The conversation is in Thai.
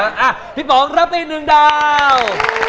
อ่ะพี่ป๋องรับไปอีกหนึ่งดาว